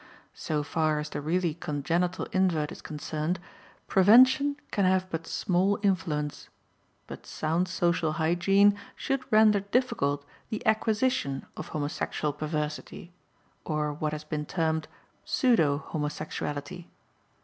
So far as the really congenital invert is concerned, prevention can have but small influence; but sound social hygiene should render difficult the acquisition of homosexual perversity, or what has been termed pseudo homosexuality.